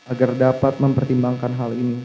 agar dapat mempertimbangkan hal ini